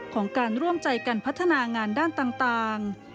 ของการร่วมใจกันพัฒนางานด้านต่าง